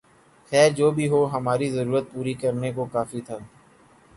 خیر جو بھی ہو ، ہماری ضرورت پوری کرنے کو کافی تھا